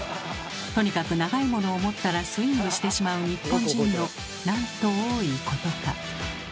とにかく長いものを持ったらスイングしてしまう日本人のなんと多いことか。